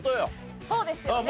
そうですよね。